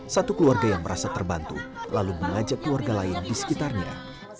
satu keluarga yang merasa terbantu lalu mengajak keluarga lain di sekitarnya